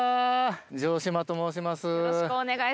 城島と申します。